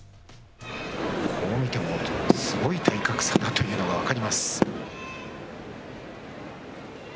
すごい体格差だというのが分かります。